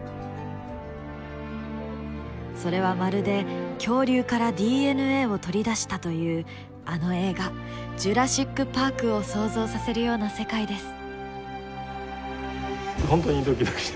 それはまるで恐竜からＤＮＡを取り出したというあの映画「ジュラシック・パーク」を想像させるような世界です。